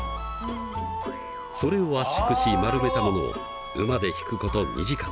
それを圧縮し丸めたものを馬で引くこと２時間。